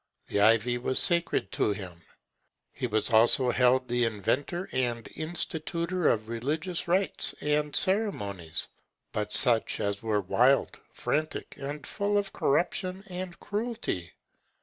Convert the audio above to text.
The ivy was sacred to him. He was also held the inventor and institutor of religious rites and ceremonies, but such as were wild, frantic, and full of corruption and cruelty.